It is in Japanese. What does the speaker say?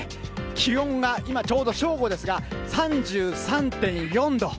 気温が今ちょうど正午ですが、３３．４度。